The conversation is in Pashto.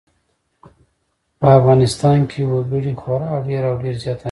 په افغانستان کې وګړي خورا ډېر او ډېر زیات اهمیت لري.